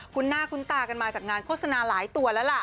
คุณหน้าคุ้นตากันมาจากงานโฆษณาหลายตัวแล้วล่ะ